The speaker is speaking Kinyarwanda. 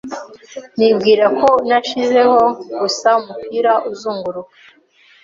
Nibwira ko nashizeho gusa umupira uzunguruka